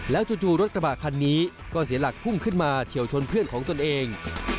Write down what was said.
จู่รถกระบะคันนี้ก็เสียหลักพุ่งขึ้นมาเฉียวชนเพื่อนของตนเอง